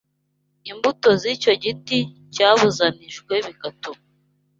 imbuto z’icyo giti cyabuzanijwe bigatuma